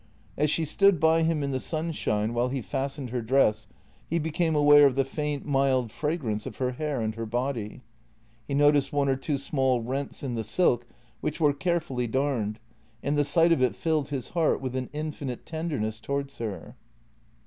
As she stood by him in the sunshine while he fastened her dress, he became aware of the faint, mild fragrance of her hair and her body. He noticed one or two small rents in the silk, which were carefully darned, and the sight of it filled his heart with an infinite tenderness towards her.